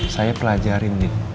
saya pelajarin din